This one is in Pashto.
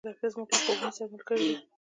کتابچه زموږ له خوبونو سره ملګرې ده